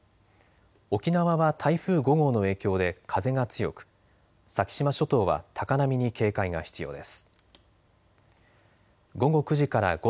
沖縄は台風５号の影響で風が強く先島諸島は高波に警戒が必要です。